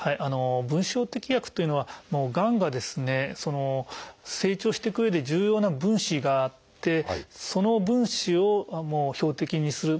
分子標的薬というのはがんがですね成長していくうえで重要な分子があってその分子を標的にする。